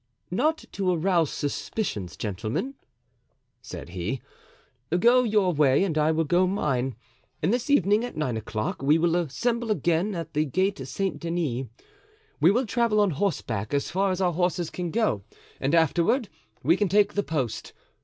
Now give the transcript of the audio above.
"Not to arouse suspicions, gentlemen," said he, "go your way and I will go mine, and this evening at nine o'clock we will assemble again at the Gate Saint Denis. We will travel on horseback as far as our horses can go and afterward we can take the post.